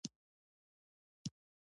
تاسو ښونځی په خپل ژبه لوستی دی ؟